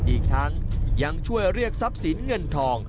อีกทั้งยังช่วยเรียกทรัพย์สินเงินทอง